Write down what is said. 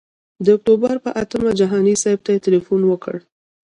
د اکتوبر پر اتمه جهاني صاحب ته تیلفون وکړ.